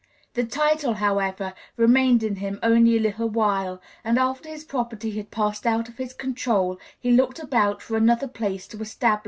The title, however, remained in him only a little while, and after his property had passed out of his control he looked about for another place to establish himself.